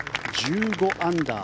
１５アンダー。